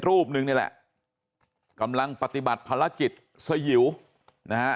รูปนึงนี่แหละกำลังปฏิบัติภารกิจสยิวนะฮะ